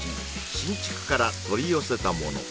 新竹から取り寄せたもの